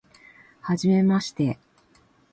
はじめまして